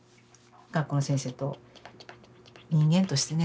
学校の先生と人間としてね